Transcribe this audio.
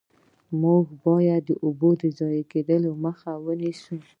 موږ باید د اوبو ضایع کیدو مخه ونیسو.